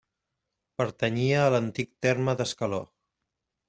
Pertanyia a l'antic terme d'Escaló.